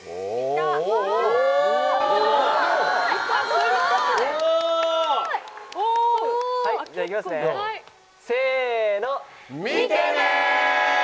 すごい！じゃあいきますねせの。